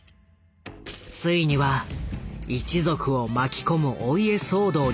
ついには一族を巻き込むお家騒動に発展。